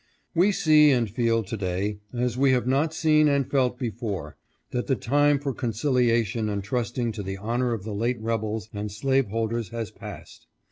" We see :.nd feel to day, as we have not seen and felt before, that the time for conciliation and trusting to the honor of the late rebels and slaveholders has passed.